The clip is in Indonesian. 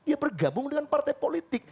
ya bergabung dengan partai politik